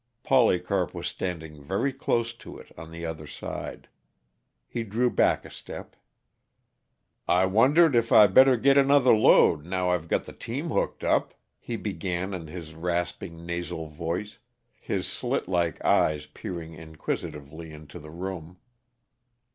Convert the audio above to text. Polycarp was standing very close to it, on the other side. He drew back a step. "I wondered if I better git another load, now I've got the team hooked up," he began in his rasping, nasal voice, his slitlike eyes peering inquisitively into the room.